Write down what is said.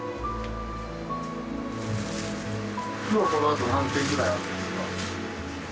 今日はこのあと何件ぐらいあるんですか？